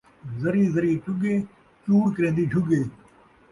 ذری ذری چُڳے ، چُوڑ کرین٘دی جھُڳے